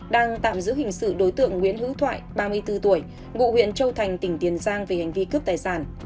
đang tạm giữ hình sự đối tượng nguyễn hữu thoại ba mươi bốn tuổi ngụ huyện châu thành tỉnh tiền giang về hành vi cướp tài sản